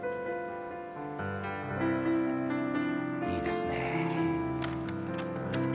いいですね。